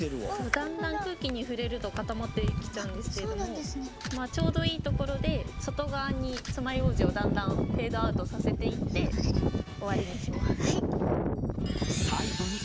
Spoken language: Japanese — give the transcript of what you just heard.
だんだん空気に触れると固まってきちゃうんですけれどもちょうどいいところで外側につまようじをだんだんフェードアウトさせていって終わりにします。